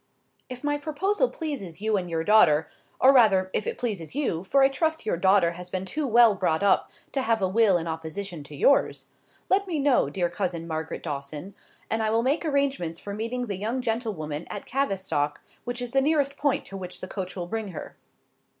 'If my proposal pleases you and your daughter—or rather, if it pleases you, for I trust your daughter has been too well brought up to have a will in opposition to yours—let me know, dear cousin Margaret Dawson, and I will make arrangements for meeting the young gentlewoman at Cavistock, which is the nearest point to which the coach will bring her.